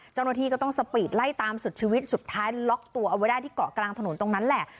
เจ้าหน้าที่ก็ต้องสปีดไล่ตามสุดชีวิตสุดท้ายล็อกตัวเอาไว้ได้ที่เกาะกลางถนนตรงนั้นแหละ